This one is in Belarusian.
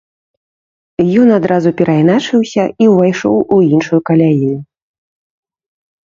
Ён адразу перайначыўся і ўвайшоў у іншую каляіну.